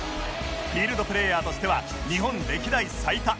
フィールドプレーヤーとしては日本歴代最多